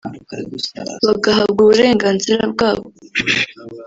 bagahabwa uburenganzira bwabo